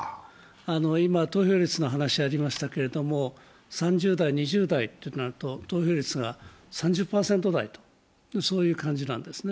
今、投票率の話がありましたけれども、３０代、２０代となると、投票率が３０％台という感じなんですね。